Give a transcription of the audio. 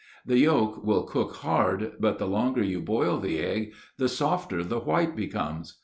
The yolk will cook hard, but the longer you boil the egg the softer the white becomes.